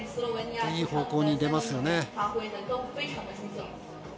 いい方向に出ますよね。